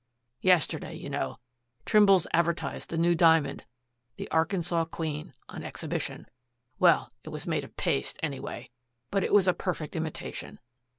Yesterday, you know, Trimble's advertised the new diamond, the Arkansas Queen, on exhibition. Well, it was made of paste, anyway. But it was a perfect imitation.